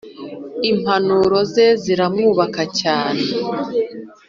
Impanuro ze ziratwubaka cyane